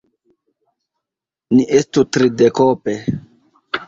Ni estu tridekope.